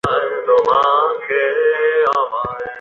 এই লড়াইটাই আমার স্বপ্নে ছিল এটা স্বপ্ন ছিল না।